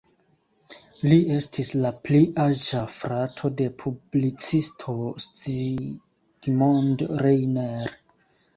Li estis la pli aĝa frato de publicisto Zsigmond Reiner.